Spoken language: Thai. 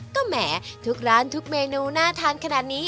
ก็แหมทุกร้านทุกเมนูน่าทานขนาดนี้